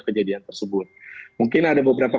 kejadian tersebut mungkin ada beberapa